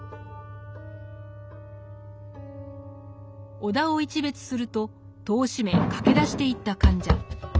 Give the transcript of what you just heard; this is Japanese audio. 尾田を一瞥すると戸を閉め駆け出していった患者。